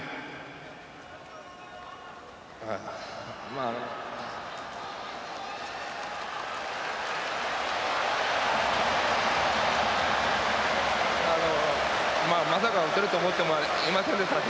あのまさか打てると思っていませんでしたし。